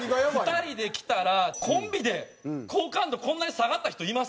２人で来たらコンビで好感度こんなに下がった人います？